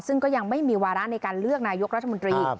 ซึ่งก็ยังไม่มีวาระในการเลือกนายกรัฐมนตรี